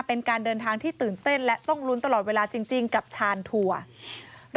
เป็นการเดินทางที่ตื่นเต้นและต้องลุ้นตลอดเวลาจริงกับชานทัวร์